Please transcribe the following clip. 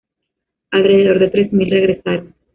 Alrededor de tres mil regresaron.